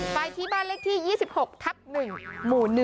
ไปที่บ้านเลขที่๒๖ทับ๑หมู่๑